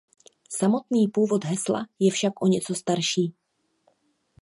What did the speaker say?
Samotný původ hesla je však o něco starší.